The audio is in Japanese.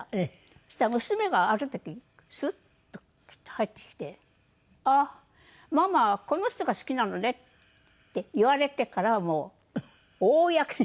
そしたら娘がある時スッと入ってきて「あっママはこの人が好きなのね」って言われてからもう公に。